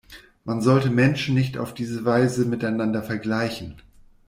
Man sollte Menschen nicht auf diese Weise miteinander vergleichen.